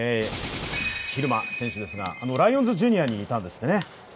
蛭間選手ですがライオンズジュニアにいたんですってね。